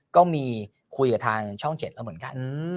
ก็มีคุยกับทางช่อง๗แล้วเหมือนกัน